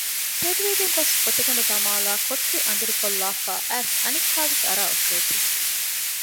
ތެދުވެގެން ގޮސް ފޮތިގަނޑު ދަމާލައި ކޮޓަރި އަނދިރިކޮށްލާފައި އައިސް އަނެއްކާވެސް އަރާ އޮށޯތީ